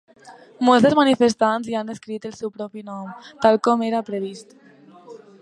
Molts dels manifestants hi han escrit el seu propi nom, tal com era previst.